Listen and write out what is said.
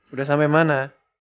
udah sampe mana